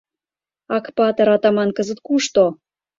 Акпатыр-атаман кызыт кушто?